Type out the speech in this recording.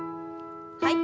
はい。